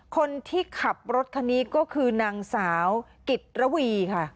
คนที่ขับรถคันนี้ก็คือนางสาวกิตระวีค่ะ